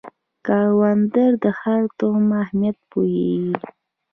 کروندګر د هر تخم اهمیت پوهیږي